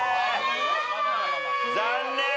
残念。